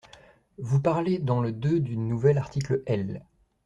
Vous parlez, dans le deux du nouvel article L.